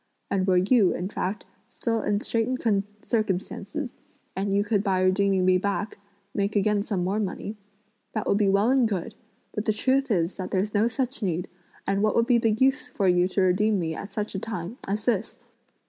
And were you, in fact, still in straitened circumstances, and you could by redeeming me back, make again some more money, that would be well and good; but the truth is that there's no such need, and what would be the use for you to redeem me at such a time as this?